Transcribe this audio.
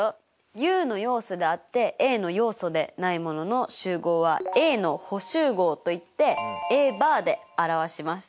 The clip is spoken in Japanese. Ｕの要素であってＡの要素でないものの集合はＡの補集合といってＡバーで表します。